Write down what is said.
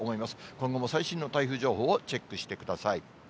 今後も最新の台風情報をチェックしてください。